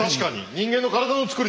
人間の体の作り